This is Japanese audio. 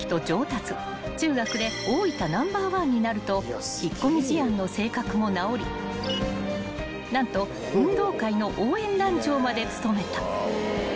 ［中学で大分ナンバーワンになると引っ込み思案の性格も直り何と運動会の応援団長まで務めた］